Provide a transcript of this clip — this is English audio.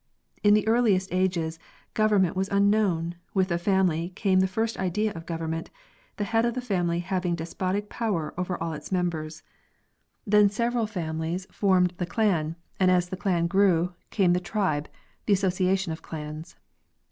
In the earliest ages government was unknown; with the family came the first idea of government, the head of the family having despotic power over all its members; then seyeral fam 4 G. G. Hubbard—Geographic Progress of Civilization. ilies formed the clan, and as the clan grew came the tribe, the association of clans.